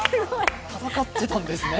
今、戦ってたんですね？